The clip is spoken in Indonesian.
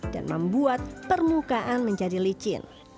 membuat permukaan menjadi licin